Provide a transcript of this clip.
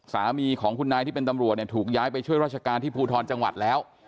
สามีของคุณนายที่เป็นตำรวจเนี่ยถูกย้ายไปช่วยราชการที่ภูทรจังหวัดแล้ว